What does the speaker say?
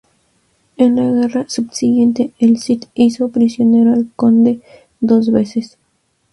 En la guerra subsiguiente, el Cid hizo prisionero al conde dos veces.